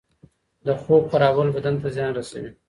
د خوب خرابول بدن ته زیان رسوي.